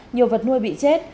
nhiều vật nuôi bị chết